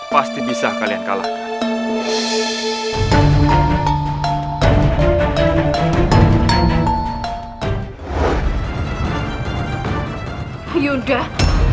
pasti bisa kalian kalahkan